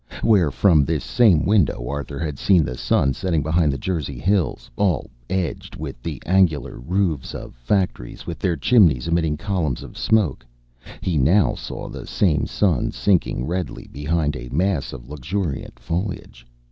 Where, from this same window Arthur had seen the sun setting behind the Jersey hills, all edged with the angular roofs of factories, with their chimneys emitting columns of smoke, he now saw the same sun sinking redly behind a mass of luxuriant foliage.